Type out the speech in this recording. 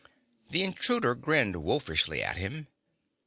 The intruder grinned wolfishly at him.